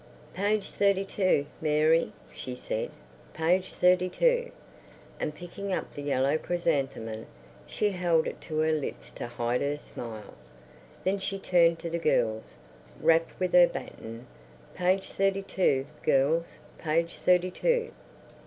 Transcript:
"Page thirty two, Mary," she said, "page thirty two," and, picking up the yellow chrysanthemum, she held it to her lips to hide her smile. Then she turned to the girls, rapped with her baton: "Page thirty two, girls. Page thirty two."